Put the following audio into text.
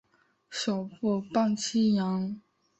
首府磅清扬。